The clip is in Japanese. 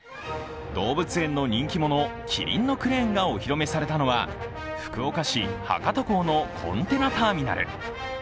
動物園の人気者、キリンのクレーンがお披露目されたのは福岡市・博多港のコンテナターミナル。